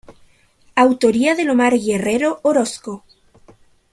Autoría del Omar Guerrero Orozco.